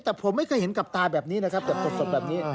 แต่ผมไม่เคยเห็นกับตาแบบนี้นะครับแบบสดแบบนี้